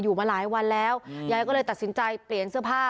มาหลายวันแล้วยายก็เลยตัดสินใจเปลี่ยนเสื้อผ้า